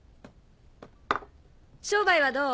商売はどう？